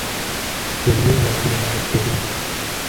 Do You Wanna Be My Baby?